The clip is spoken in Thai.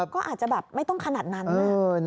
ก็อาจจะแบบไม่ต้องขนาดนั้นนะ